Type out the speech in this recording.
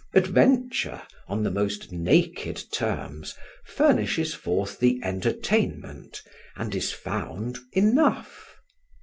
Adventure, on the most naked terms, furnishes forth the entertainment and is found enough.